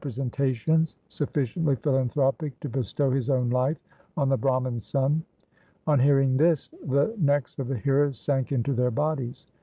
298 THE SIKH RELIGION sentations, sufficiently philanthropic to bestow his own life on the Brahman's son ?' On hearing this the necks of the hearers sank into their bodies.